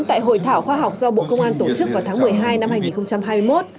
tại hội thảo khoa học do bộ công an tổ chức vào tháng một mươi hai năm hai nghìn hai mươi một